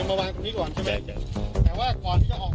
มารัดคล้องไหนเรียบร้อยแล้วมารัดตรงนี้หรอเล่กบอกดินะ